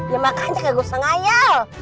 ya makanya gak usah ngayal